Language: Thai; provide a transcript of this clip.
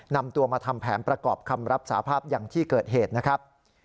นำตัวมาทำแผนประกอบคำรับสาภาพอย่างที่เกิดเหตุนะครับ